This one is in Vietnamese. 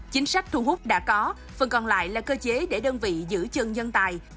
chính sách thu hút đã có phần còn lại là cơ chế để đơn vị giữ chân nhân tài